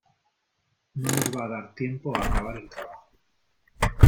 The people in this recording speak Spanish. No nos va a dar tiempo a acabar el trabajo.